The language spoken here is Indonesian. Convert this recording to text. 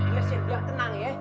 iya siang biar tenang ya